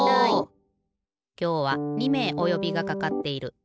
きょうは２めいおよびがかかっている。